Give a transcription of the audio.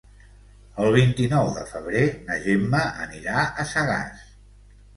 El vint-i-nou de febrer na Gemma anirà a Sagàs.